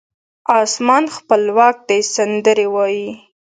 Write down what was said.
اسمان خپلواک دی سندرې وایې